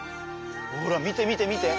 ほら見て見て見て！